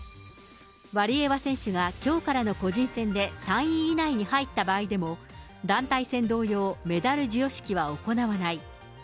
ワリエワ選手がきょうからの個人戦で３位以内に入った場合でも、団体戦同様、メダル授与式は行わない。